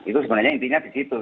itu sebenarnya intinya disitu